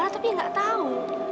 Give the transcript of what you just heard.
kenal dimana tapi gak tau